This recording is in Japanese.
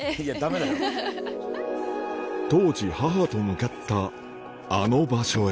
当時、母と向かったあの場所へ。